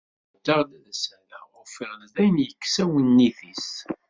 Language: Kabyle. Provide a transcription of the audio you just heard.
Ɛeddaɣ ad s-rreɣ, ufiɣ dayen yekkes awennit-is.